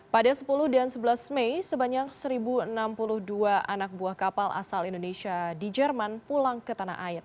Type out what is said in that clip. pada sepuluh dan sebelas mei sebanyak satu enam puluh dua anak buah kapal asal indonesia di jerman pulang ke tanah air